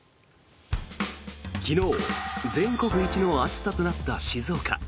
昨日、全国一の暑さとなった静岡。